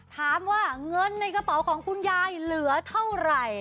ถามว่าเงินในกระเป๋าของคุณยายเหลือเท่าไหร่